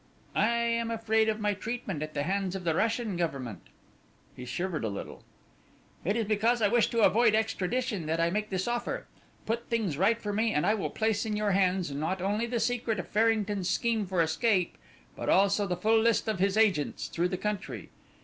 I am afraid of my treatment at the hands of the Russian Government." He shivered a little. "It is because I wish to avoid extradition that I make this offer. Put things right for me, and I will place in your hands, not only the secret of Farrington's scheme for escape, but also the full list of his agents through the country.